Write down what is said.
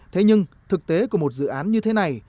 thế nhưng thực tế của một dự án như thế này